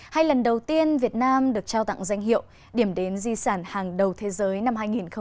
hai lần đầu tiên việt nam được trao tặng danh hiệu điểm đến di sản hàng đầu thế giới năm hai nghìn hai mươi